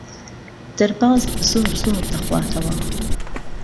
دەرباز زۆر زۆر دەخواتەوە.